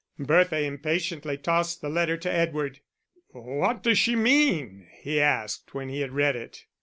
Bertha impatiently tossed the letter to Edward. "What does she mean?" he asked, when he had read it.